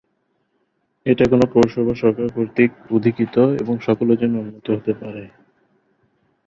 এটা কোনো পৌরসভা সরকার কর্তৃক অধিকৃত এবং সকলের জন্য উন্মুক্ত হতে পারে।